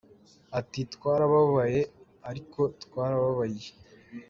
Ati “Twarababaye ariko twarababariye.